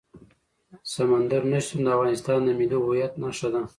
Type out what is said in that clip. سمندر نه شتون د افغانستان د ملي هویت نښه ده.